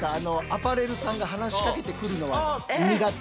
アパレルさんが話しかけてくるのは苦手？